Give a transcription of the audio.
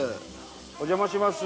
お邪魔します。